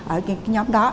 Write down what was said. ở những cái nhóm đó